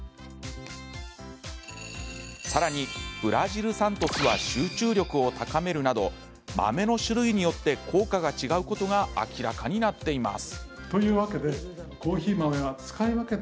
さらにブラジルサントスは集中力を高めるなど豆の種類によって効果が違うことが明らかになっています。